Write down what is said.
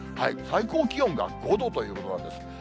最高気温が５度ということなんです。